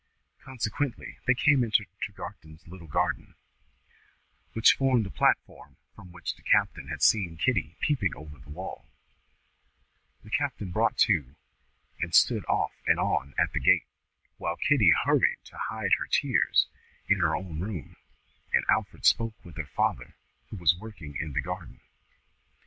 Consequently, when they came into Tregarthen's little garden, which formed the platform from which the captain had seen Kitty peeping over the wall, the captain brought to, and stood off and on at the gate, while Kitty hurried to hide her tears in her own room, and Alfred spoke with her father, who was working in the garden.